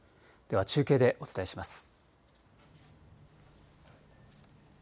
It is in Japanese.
では中継でお伝えします。